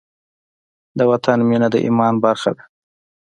د وطن مینه د ایمان برخه ده.